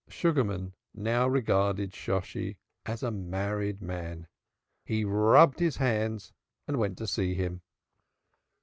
Sugarman now regarded Shosshi as a married man! He rubbed his hands and went to see him.